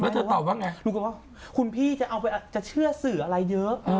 แล้วเธอตอบว่าไงลุงก็บอกว่าคุณพี่จะเอาไปอาจจะเชื่อสื่ออะไรเยอะ